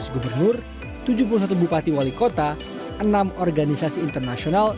tujuh belas gubernur tujuh puluh satu bupati wali kota enam organisasi internasional